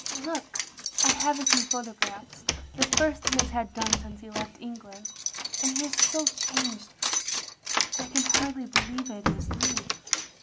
"Look — I have his new photographs; the first he has had done since he left England. And he is so changed I can hardly believe it is Louis.